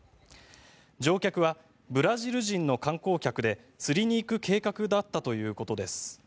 乗客はブラジル人の観光客で釣りに行く計画だったということです。